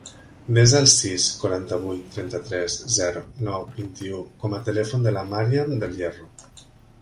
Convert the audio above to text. Desa el sis, quaranta-vuit, trenta-tres, zero, nou, vint-i-u com a telèfon de la Màriam Del Hierro.